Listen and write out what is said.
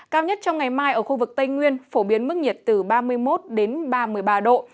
cao nhất trong ngày mai ở khu vực tây nguyên phổ biến mức nhiệt từ ba mươi một đến ba mươi ba độ